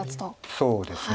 そうですね。